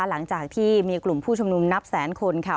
หลังจากที่มีกลุ่มผู้ชุมนุมนับแสนคนค่ะ